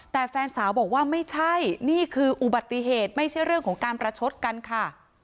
แต่แฟนสาวบอกว่าไม่ใช่นี่คืออุบัติเหตุไม่ใช่เรื่องของการประชดกันค่ะ